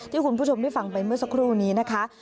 คุณผู้ชมได้ฟังไปเมื่อสักครู่นี้นะคะ